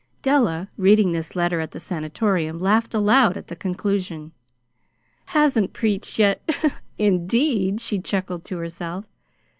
Della, reading this letter at the Sanatorium, laughed aloud at the conclusion. "'Hasn't preached yet,' indeed!" she chuckled to herself.